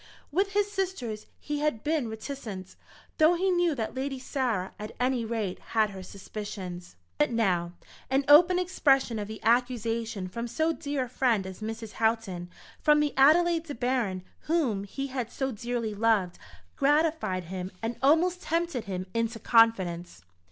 With his sisters he had been reticent, though he knew that Lady Sarah, at any rate, had her suspicions. But now an open expression of the accusation from so dear a friend as Mrs. Houghton, from the Adelaide De Baron whom he had so dearly loved, gratified him and almost tempted him into confidence.